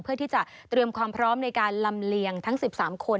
เพื่อที่จะเตรียมความพร้อมในการลำเลียงทั้ง๑๓คน